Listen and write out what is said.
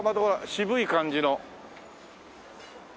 渋い感じの。